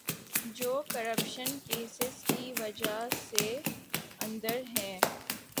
جو corruption cases کی وجہ سے اندر ہیں۔